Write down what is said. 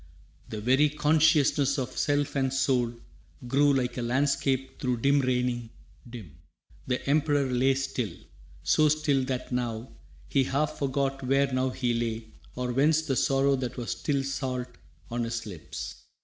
The very consciousness of self and soul Grew, like a landscape through dim raining, dim. The Emperor lay still, so still that now He half forgot where now he lay, or whence The sorrow that was still salt on his lips.